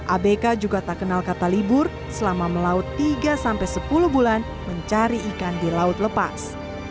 abk juga tak kenal kata libur selama melaut tiga sampai sepuluh bulan mencari ikan di laut lepas